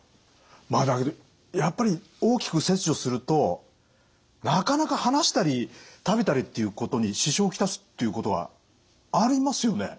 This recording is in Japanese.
だけどやっぱり大きく切除するとなかなか話したり食べたりっていうことに支障を来すっていうことはありますよね？